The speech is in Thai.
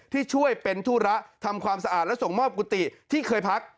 ที่ช่วยเป็นธุระทำความสะอาดและส่งมอบกุฏิที่เคยพัก